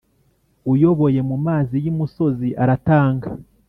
uyoboye mu mazi y imusozi aratanga